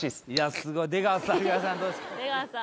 すごい出川さん